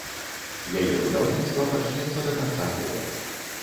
Яе будаўніцтва пачнецца да канца года.